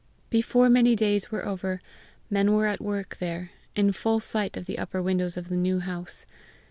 Before many days were over, men were at work there, in full sight of the upper windows of the New House.